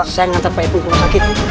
saya ngantar pak ipung ke rumah sakit